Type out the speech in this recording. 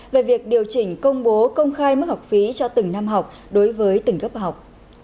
về việc điều chỉnh công bố công khai mức học phí cho từng năm học đối với từng cấp học